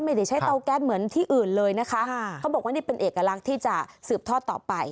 ไม่ได้ใช้เตาแก๊สเหมือนที่อื่นเลยนะคะเขาบอกว่านี่เป็นเอกลักษณ์ที่จะสืบทอดต่อไป